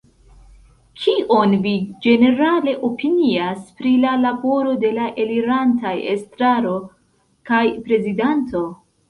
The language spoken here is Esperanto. Kion vi ĝenerale opinias pri la laboro de la elirantaj estraro kaj prezidanto?